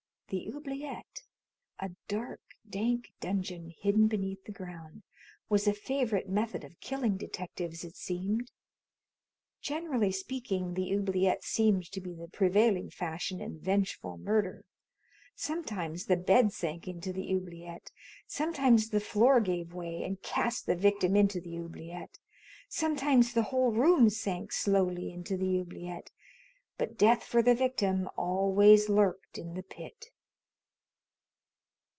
The oubliette a dark, dank dungeon hidden beneath the ground was a favorite method of killing detectives, it seemed. Generally speaking, the oubliette seemed to be the prevailing fashion in vengeful murder. Sometimes the bed sank into the oubliette; sometimes the floor gave way and cast the victim into the oubliette; sometimes the whole room sank slowly into the oubliette; but death for the victim always lurked in the pit.